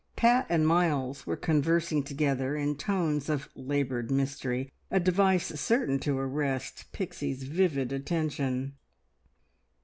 Pat and Miles were conversing together in tones of laboured mystery, a device certain to arrest Pixie's vivid attention.